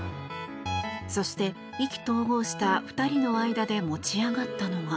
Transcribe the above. そして意気投合した２人の間で持ち上がったのが。